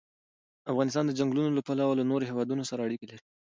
افغانستان د چنګلونه له پلوه له نورو هېوادونو سره اړیکې لري.